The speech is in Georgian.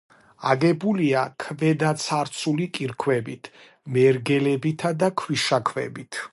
აგებულია ქვედაცარცული კირქვებით, მერგელებითა და ქვიშაქვებით.